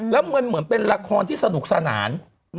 แล้วมันเหมือนเป็นละครที่สนุกสนาน